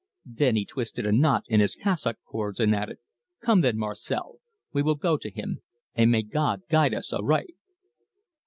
Then he twisted a knot in his cassock cords, and added "Come then, Marcel. We will go to him. And may God guide us aright!"